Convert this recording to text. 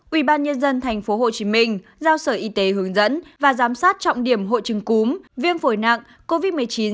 ubnd tp hcm giao sở y tế hướng dẫn và giám sát trọng điểm hội chứng cúm viêm phổi nặng covid một mươi chín